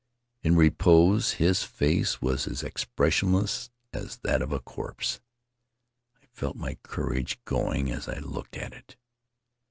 In repose his face was as expressionless as that of a corpse. I felt my courage going as I looked at it.